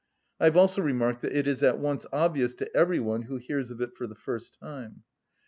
I have also remarked that it is at once obvious to every one who hears of it for the first time.